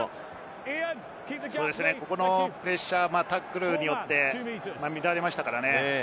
ここのプレッシャー、タックルによって乱れましたからね。